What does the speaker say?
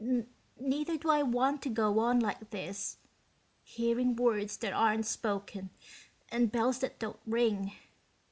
"Neither do I want to go on like this, hearing words that aren't spoken and bells that don't ring.